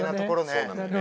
そうなのよね。